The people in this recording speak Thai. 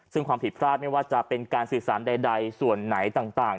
ซึ่งความผิดพลาดไม่ว่าจะเป็นการสื่อสารใดส่วนไหนต่าง